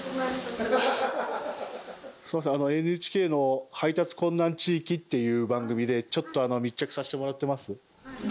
すいませんＮＨＫの「配達困難地域」っていう番組でちょっと密着させてもらってます。